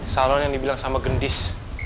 salon yang dibilang sama gendis